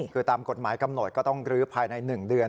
คือตามกฎหมายกำหนดก็ต้องรื้อภายใน๑เดือน